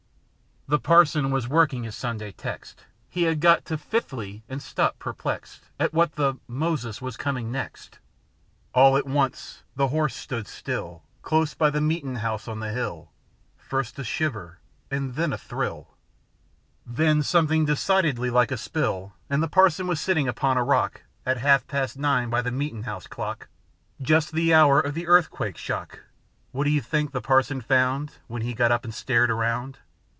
The parson was working his Sunday's text â Had got to fifthly, and stopped perplexed At what the â Moses â was coming next. All at once the horse stood still. Close by the meet'n' house on the hilL The Ballad of the Oysterman 688 â ^First a shiver, and then a thrill, Then something decidedly like a spill â And the parson was sitting upon a rock At half past nine by the meet'n' house clock â Just the hour of the earthquake shock! â What do you think the parson found. When he got up and stared around!